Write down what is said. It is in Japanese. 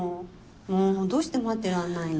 もうどうして待ってらんないの？